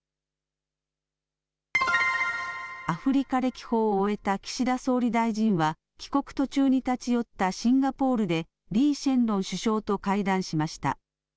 アフリカ歴訪を終えた岸田総理大臣は、帰国途中に立ち寄ったシンガポールで、リー・シェンロン首相と会談しました。